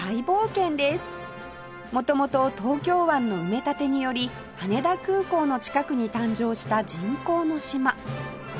元々東京湾の埋め立てにより羽田空港の近くに誕生した人工の島